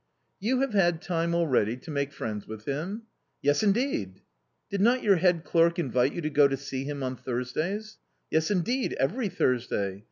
" You have had time already to make friends with him ?"" Yes, indeed." "Did not your head clerk invite you to go to see him on Thursdays ?"" Yes, indeed ; every Thursday.